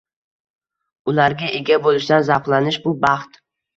Ularga ega bo'lishdan zavqlanish - bu baxt.